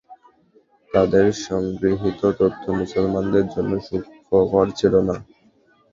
তাদের সংগৃহীত তথ্য মুসলমানদের জন্য সুখকর ছিল না।